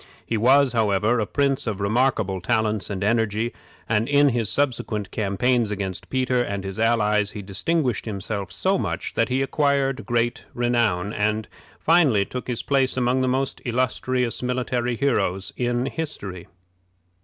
He was, however, a prince of remarkable talents and energy, and in his subsequent campaigns against Peter and his allies he distinguished himself so much that he acquired great renown, and finally took his place among the most illustrious military heroes in history.